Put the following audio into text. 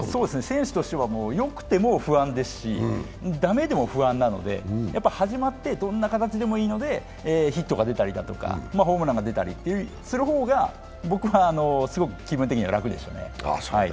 選手としては、よくても不安ですし、駄目でも不安なので、始まってどんな形でもいいのでヒットが出たりだとか、ホームランが出たりする方が僕はすごく気分的には楽でしたね。